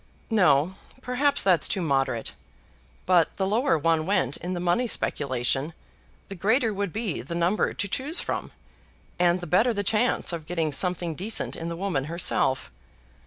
"No ; perhaps that's too moderate. But the lower one went in the money speculation, the greater would be the number to choose from, and the better the chance of getting something decent in the woman herself.